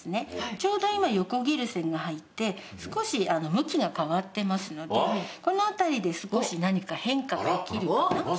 ちょうど今横切る線が入って少し向きが変わってますのでこの辺りで少し何か変化が起きるかなっていう。